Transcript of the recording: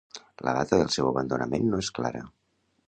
La data del seu abandonament no és clara.